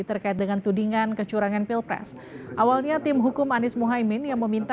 terkait dengan tudingan kecurangan pilpres awalnya tim hukum anies mohaimin yang meminta